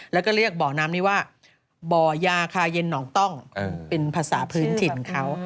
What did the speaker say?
แล้วก็เรียกบ่อน้ำนี้ว่าบ่อยาคาเย็นหนองต้องเป็นภาษาพื้นถิ่นเขา